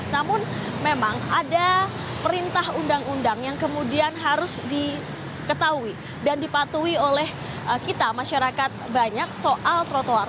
namun memang ada perintah undang undang yang kemudian harus diketahui dan dipatuhi oleh kita masyarakat banyak soal trotoar